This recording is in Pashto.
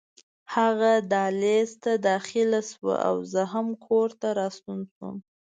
هغه دهلېز ته داخله شوه او زه هم کور ته راستون شوم.